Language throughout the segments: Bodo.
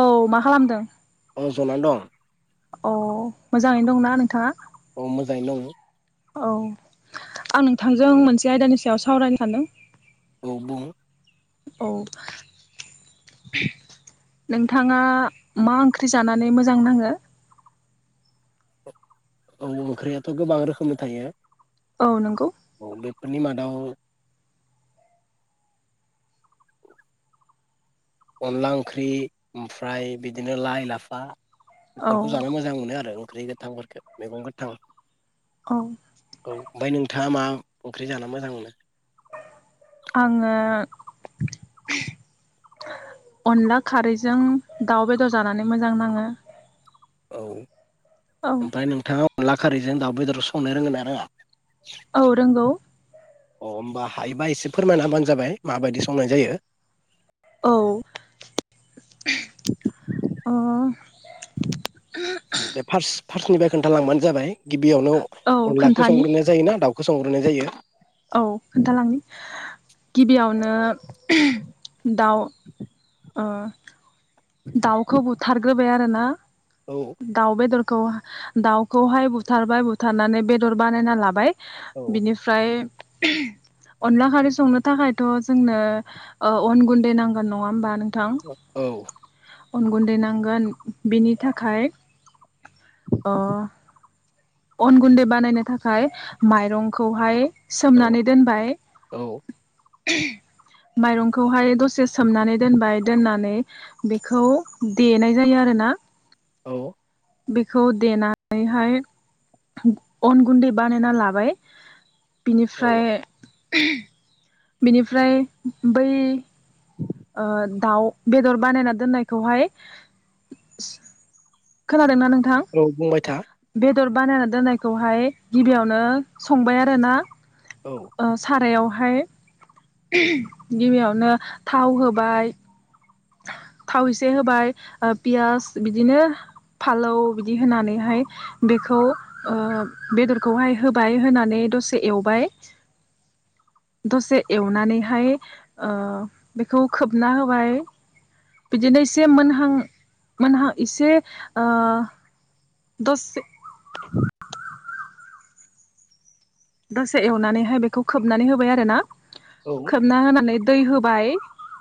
औ मा खालामदों। जनानै दं। अ मोजाङैनो दंना नोंथाङा? अ मोजाङै दङ। औ आं नोंथांजों मोनसे आयदानि सायाव सावरायनो सानदों। औ बुं। औ नोंथाङा मा ओंख्रि जानानै मोजां नाङो? औ ओंख्रियाथ' गोबां रोखोमनि थायो। औ नंगौ। फोरनि मादाव अनला ओंख्रि ओमफ्राय बिदिनो लाइ लाफा औ बेफोरखौ जानो मोजां मोनो आरो। ओंख्रि गोथांफोरफोरखौ मैगं गोथां। औ ओमफ्राय नोंथाङा मा ओंख्रि जाना मोजां मोनो आङो अनला खारैजों दाउ बेदर जानानै मोजां नाङो औ औ ओमफ्राय नोंथाङा अनला खारैजों दाउ बेदर संनो रोंगोन ना रोङा औ रोंगौ अ होमबा हायोबा एसे फोरमायना होबानो जाबाय माबायदि संनाय जायो औ [inaudible] अ बे फार्स् फार्स्टनिफ्राय खोन्थालांबानो जाबाय गिबियावनो औ अनलाखौ खोन्थानि संग्रोननाया जायोना दाउ फोसंग्रोनाय जायो औ खोन्थालांनि गिबियावनो [unintelligible] दाउ ओ दाउखौ बुथारग्रोबाय आरो ना ना औ दाउ बे दर खौ दाउखौहाय बुथारबाय बुथारनानै बेदर बानायना लाबाय। औ बिनिफ्राय ओम अनला खारै संनो थाखायथ' जोंनो ओ अन गुन्दै नांगोन नङा होमबा नों औ अन गुन्दै नांगोन बेनि थाखाय अ अन गुन्दै बानायनो थाखाय माइरंखौहाय औ सोमनानै दोनबाय औ ओम माइरंखौहाय दसे सोमनानै दोनबाय दोननानै बेखौ देनाय जायो आरोना औ बेखौ देनानैहाय ओम अन गुन्दै बानायना लाबाय औ बिनिफ्राय ओम बिनिफ्राय बै ओ दाउ बेदर बानायना दोननायखौहाय खोना दोंना नोंथां औ बुंबाय था बे बेदर बानायना दोननायखौहाय गिबियावनो संबाय आरोना औ ओ सारायाव हाय गिबियावनो थाव होबाय थाव इसे होबाय ओ पियास बिदिनो फालौ बिदि होनानैहाय बेखौ ओ बेदरखौहाय होबाय होनानै दसे एवबाय दसे एवनानैहाय ओ बेखौ खोबना होबाय बिदिनो एसे मोनहां मोनहां इसे ओ दसे दसे एवनानैहाय बेखौ खोबनानै होबाय आरो ना औ खोबना होनानै दै होबाय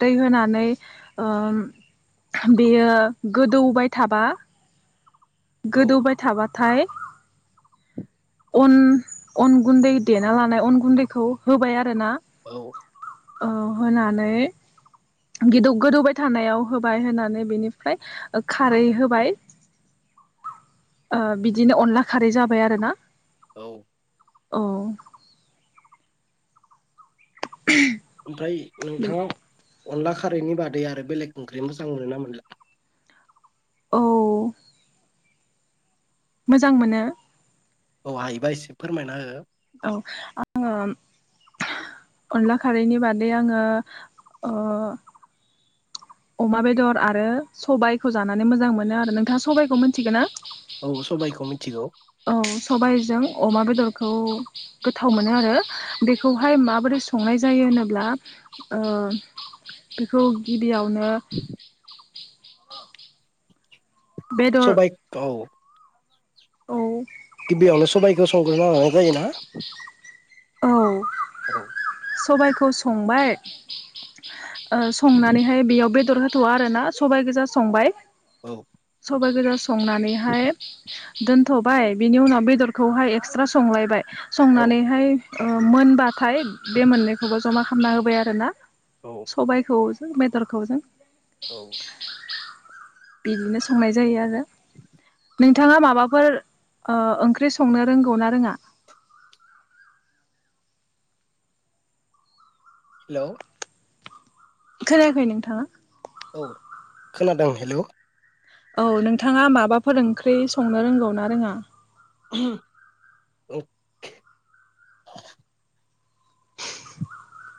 दै होनानै ओ बेयो गोदौबाय थाबा औ गोदौबाय थाबाथाय अन अन गुन्दै देना लानाय अन गुन्दैखौ होबाय आरो ना औ औ होनानै गिदौ गोदौबाय थानायाव होबाय होनानै बेनिफ्राय खारै होबाय ओ बिदिनो अनला खारै जाबाय आरोना औ औ [unintelligible] ओमफ्राय नोंथाङा अनला खारैनि बादै आरो बेलेग ओंख्रि मोजां मोनोना मोनला? औ मोजां मोनो औ हायोबा एसे फोरमायना हो औ आङो अनला खारैनि बादै आङो अ अमा बेदर आरो सबायखौ जानानै मोजां मोनो आरो नोंथाङा सबायाइखौ मोनथिगो ना? औ सबाइखौ मिथिगौ औ सबायजों अमा बेदरखौ गोथाव मोनो आरो बेखौहाय माबोरै संनाय जायो होनोब्ला ओ बेखौ गिबियावनो बेदर सबाय औ औ गिबियावनो सबाइखौ संग्रोना लानाय जायोना? [inaudible] औ औ सबाय खौ संबाय अ संनानैहाय बेयाव बेदर हो थ'आ आरो ना सबाय गोजा संबाय औ सबाय गोजा संनानैहाय दोनथ'बाय बिनि उनाव बेदरखौहाय एक्सट्रा संलायबाय औ संनानैहाय अ मोनबा थाय बे मोननैखौबो जमा खामना होबाय आरो ना औ सबाइखौ बेदरखौजों औ बिदिनो संनाय जायो आरो। नोंथाङा माबाफोर ओ-ओंख्रि संनो रोंगौ ना रोङा? हेलौ खोनायाखै नोंथाङा? औ खोनादों हेलौ औ नोंथाङा माबाफोर ओंख्रि संनो रोंगौ ना रोङा? [inaudible] [inaudible]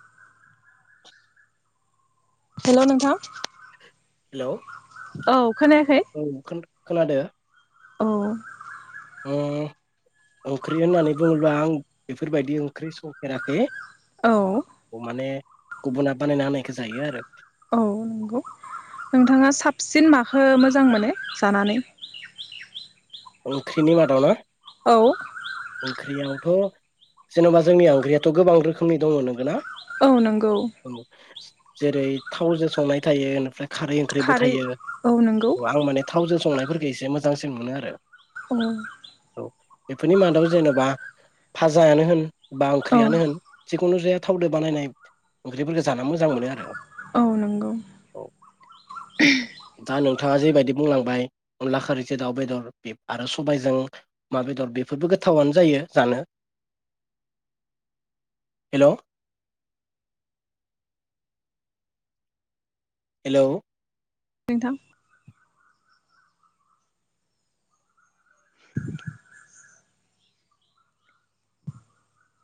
हेल' नोंथां। हेलौ औ खोनायाखै? औ खोनादो औ ओम ओंख्रि होननानै बुङोब्ला आं बेफोरबायदि ओंख्रि संफेराखै। औ अ माने गुबुना बानायना होनायखौ जायो आरो औ नंगौ नोंथाङा साबसिन माखो मोजां मोनो? ओंख्रिनि मादाव ना औ ओख्रियावथ' जेन'बा जोंनि आंग्रियाथ' गोबां रोखोमनि दङ नोंगोनना औ नंगौ जेरै थावजों संनाय थायो निफ्राय खारै ओंख्रिबो खारै थायो औ नंगौ आं माने थावजों संनाय फोरखौ एसे मोजांसिन मोनो आरो उम बेफोरनि मादाव जेनेबा फाजायानो होन बा औ ओंख्रियानो होन खुनु जाया थावदो बानायनाय ओंख्रिफोरखौ जानो मोजां मोनो आरो औ नंगौ थाङा जेैबायदि बुंलांबाय अनला खारैसे दाउ बेदर आरो सबायजों अमा बेदर बेफोरबो गोथावनो जायो जानो हेलौ हेलौ नोंथां [unintelligible]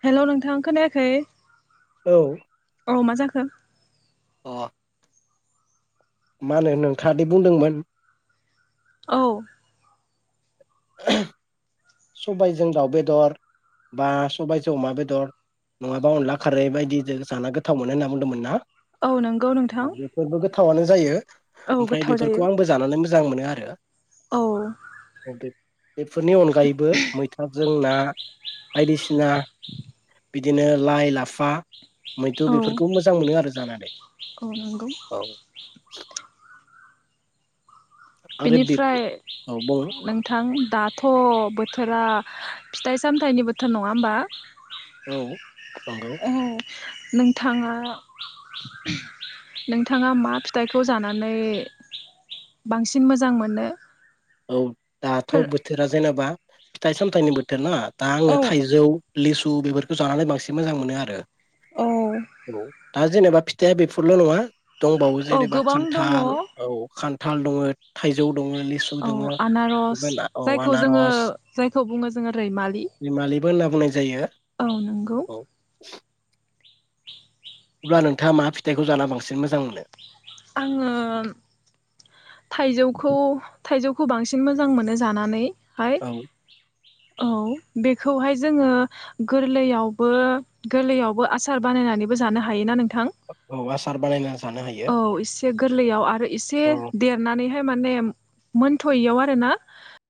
हेल' नोंथां खोनायाखै? औ। औ मा जाखो? अ मा होनो नोंथाङादि बुंदोंमोन। औ। [unintelligible] सबायजों दाउ बेदर बा सबायजों अमा बेदर नङाबा अनला खारै बायदिजों जाना गोथाव मोनो होनना बुंदोंमोन ना। औ नोंगौ नोंथां। थावनो जायो। औ ओमफ्राय गोथाव बेफोरखौ जायो आंबो जानानै मो मोजां मोनो आरो। औ [inaudible] अ बे बेफोरनि अनगायै बो मैथाजों ना बायदिसिना बिदिनो लाइ लाफा। मैथु औ बेफोरखौ मोजां मोनो आरो जानानै। नंगौ औ आरो बे बेनिफ्राय औ बुं नोंथां दाथ' बोथोरा फिथाइ सामथायाइनि बोथोर नङा होमबा। औ नंगौ। नोंथाङा [inaudible] नोंथाङा मा फिथाइखौ जानानै बांसि सिन मोजां मोनो? औ। दाथ' फोर बोथोरा जेनेबा फिथाइ सामथाइनि बोथोर ना? दा आङो औ थाइजौ लिसु बेफोरखौ जानानै बांसिन मोजां मोनो आरो। औ औ। दा जेनेबा फिथाया बेफोरल' नङा। दंबावो औ जेनेबा गोबां दङ खान्थाल औ खान थाल दङो, थाइजौ दङो। औ आनारस जायखौ जोङो आनारस जायखौ बुङो जोङो रैमालि। रैमालिबो होनना बुंनाय जायो। औ नंगौ। औ अब्ला नोंथाङा मा फिथाइखौ जाना बांसिन मोजां मोनो? आङो [inaudible] थाइजौखौ थाइजौखौ बांसिन मोजां मोनो जानानै। हाय औ औ बेखौहाय जोङो गोरलैयावबो गोरलैयावबो आसार बानायनानैबो जानो हायोना नोंथ औ आसार बानायना जानो हायो। औ एसे गोरलैयाव आरो एसे औ देरनानै फ्राय माने मोनथ'यैयाव आरो ना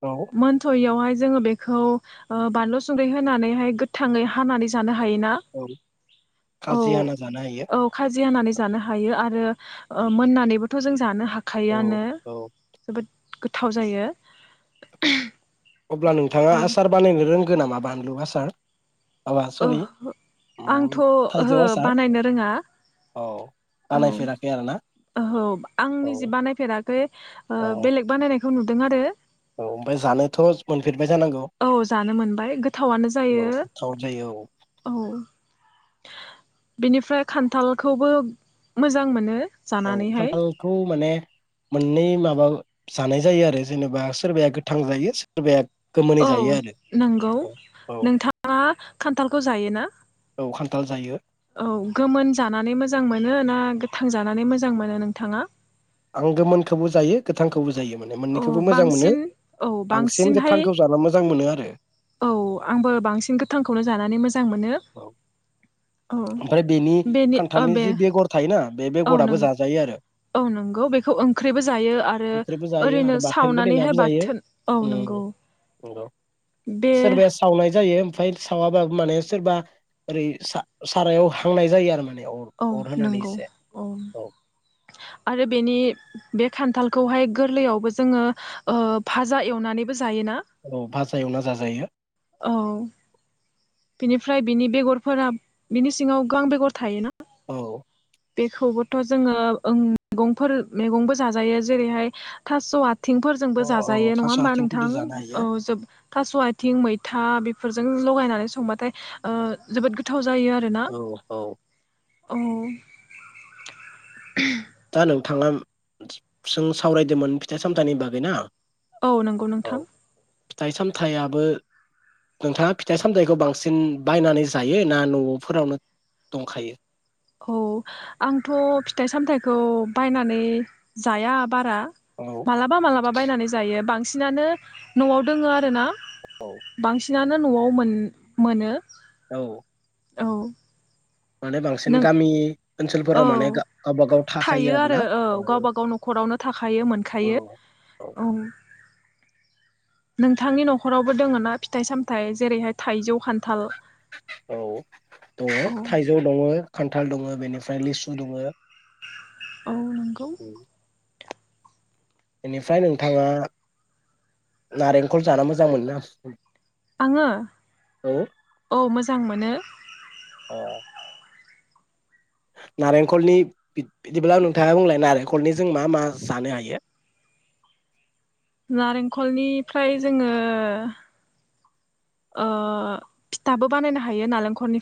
औ मोनथ'यियावहाय जोङो बेखौ ओ बानलु संग्रि होनानैहाय गोथाङै हानानै जानो हा हायो ना औ खाजि हाना जानो हायो औ खाजि हानानै? जानो हायो आरो। मोननानैबोथ' जों जानो हा औ खायोआनो औ जोबोद गोथाव जायो। अब्ला नोंथाङा औ आसार बानायनो रों गो नामा बानलु आसार? माबा ओ सरि हो आंथ' उम थाइजौ ओहो आसार बानायनो रोङा औ औ बानायफेराखै आरोना ओहो आं निजि औ बानायफेराखै ओ औ बेलेग बानायनाय खौ नुदों आरो। औ ओमफाय जानोथ' मोनफेर औ जानो मोनबाय गोथावानो औ जायो गोथाव जायो औ औ। बिनिफ्राय खान्थालखौबो मोजां मोनो। औ जानानैहाय खान्थालखौ माने मोननै माबा जानाय जायो आरो जेनेबा सोरबाया गोथां जायो सोरबाया गोमोनै औ जायो आरो नंगौ औ औ नोंथाङा खान्थालखौ जायो ना औ खान्थाल जायो औ गोमोन जानानै मोजां मोनो ना? थांजानानै मोजां मोनो नोंथाङा? आं गोमोनखौबो जायो गोथांखौबो जायो। जायो माने अ मोननैखौबो मोजां मोनो बांसिन औ बांसिन बांसिनहाय गोथांखौ जानो मोजां मोनो आरो। औ आंबो बांसिन गोथांखौनो जानानै मोजां मोजां मोनो। औ औ ओमफ्राय बेनि औ खान्थालनि बे जि बेगर थायोना बे औ बेगराबो न जाजायो आरो औ नंगौ बेखौ ओंख्रिबो जायो आरो ओंख्रिबो जायो आरो ओरैनो बाथोनबो देनाबो सावनानैहाय जायो बाथोन औ उम नंगौ। नंगौ बे सोरबाया सावनाय जायो। ओमफाय सावाबो माने सोरबा ओरै सारायाव हांनाय जायो आरो माने अर औ अर होनानै नंगौ एसे औ आरो बेनि बे खान्थाल खौहाय गोरलैयावबो जोङो ओ फाजा एवनानैबो जा जायोना औ भाजा एवना जाजायो औ बिनिफ्राय बिनि बेगरफोरा बिनि सिङाव गां बेगर थायोना? औ बेखौबोथ' जोङो मैगंफोर मैगंबो जाजायो जेरैहाय थास' आ थिंफोरजोंबो औ जाजायो औ नङा थास' होमबा नोंथां? आथिंफोरजों जानो हायो ओ जोब थास' आथिं मैथा बे फोरजों लगायनानै संबाथाय ओ जोबोद गोथाव जायो आरोना औ औ औ दा नोंथांङा जों सावरायदोंमोन फिथाइ सामथाइनि बागै ना? औ नंगौ औ नोंथां । फिथाइ सामथायाइयाबो नोंथाङा फिथाइ सामथायाइखौ बांसिन बायनानै जायो ना न'फोरावनो दंखायो? औ आंथ' फिथाइ सामथाइखौ बायनानै जाया बारा औ । मालाबा मालाबा बायनानै जायो बांसि बांसिनानो न'आव दोङो आरो ना औ बांसि नानो न'आव मोन मोनो । औ औ माने बांसिन नों गामि ओनसोलफोराव औ माने गावबा गाव थाखायो थायो आरो आरोना औ गावबा गाव न'खरावनो थाखायो औ मोनखायो औ । नोंथांनि न'खरावबो दोङ ना फिथाइ सामथाइ जेरैहाय थाइजौ, खान्थाल? औ दङ औ थाइजौ दङ खान्थाल दङो । बेनिफ्राय लिसु दङो । औ नंगौ । बेनिफ्राय नोंथांङा नारेंखल जाना मोजां मोनोना? आंङो औ मोजां मोनो । अ नारेंखलनि बिद बिदिब्ला नोंथाङा बुंलाय नारेंखलनि जों मा मा जानो हायो? नारेंखलनिफ्राय जोंङो ओ फिथाबो बानायनो हायो नालेंखलनि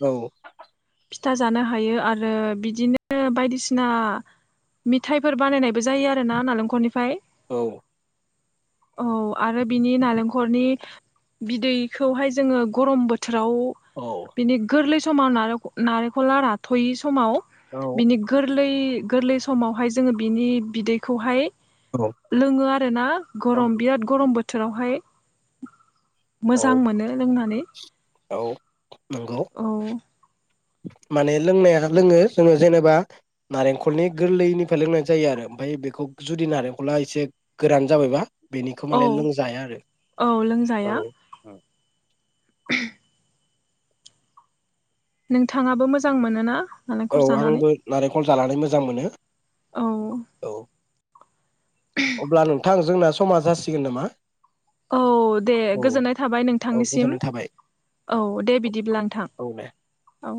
औ फिथा जानो हायो आरो बिदिनो बायदिसिना मिथायाइफोर बानायनायबो जायो आरो ना नालेंखरनिफाय । औ औ आरो बिनि नालेंखरनि बिदैखौहाय जोंङो गरम बोथ राव औ बिनि गोरलैस समाव नारें नारेंखला राथयि समाव । औ बिनि गोरलै गोरलै समावहाय जोङो बिनि बिदैखौहाय। लोङो आरोना औ गरम बिराद गरम बोथ बोथोरावहाय। मोजां औ मोनो लोंनानै। औ। नंगौ। औ माने लोंनाया लोङो जोङो जेनेबा नारेंखलनि गोरलैनिफ्राय लोंनाय जायो आरो ओमफ्राय बेखौ जुदि नारेंखला एसे गोरान जाबायबा। बेनिखौ औ माने लोंजाया आरो औ लोंजाया औ [inaudible] नोंथाङाबो मोजां मोनोना? औ नालेंखर जानानै आंबो नारेंखल जानानै मोजां मोनो औ औ। अब्ला नोंथां। जोंना समा जासिगोन नामा? औ दे औ गोजोननाय थाबाय औ नोंथांनिसिम गोजोननाय थाबाय औ दे बिदिब्ला नोंथां औ दे। औ।